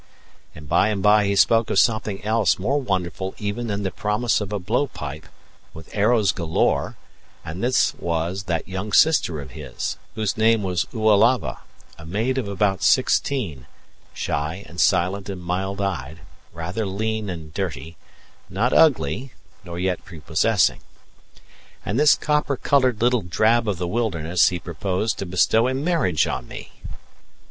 And by and by he spoke of something else more wonderful even than the promise of a blow pipe, with arrows galore, and this was that young sister of his, whose name was Oalava, a maid of about sixteen, shy and silent and mild eyed, rather lean and dirty; not ugly, nor yet prepossessing. And this copper coloured little drab of the wilderness he proposed to bestow in marriage on me!